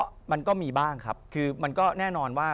ก็มันก็มีบ้างครับคือมันก็แน่นอนว่า